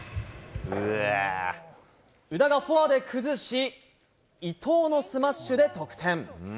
宇田がフォアで崩し、伊藤のスマッシュで得点。